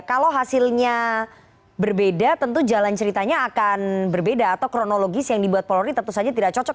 kalau hasilnya berbeda tentu jalan ceritanya akan berbeda atau kronologis yang dibuat polri tentu saja tidak cocok